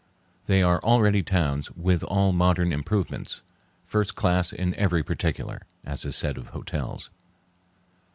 They are already towns "with all modern improvements, first class in every particular," as is said of hotels.